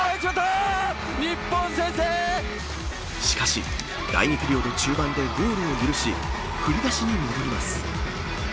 しかし第２ピリオド中盤でゴールを許し振り出しに戻ります。